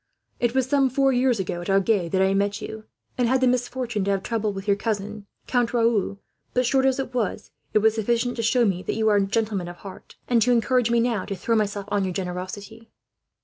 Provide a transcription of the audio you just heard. It was some four years ago, at Agen, that I met you, and had the misfortune to have trouble with your cousin, Count Raoul; but short as it was, it was sufficient to show me that you were a gentleman of heart, and to encourage me, now, to throw myself on your generosity."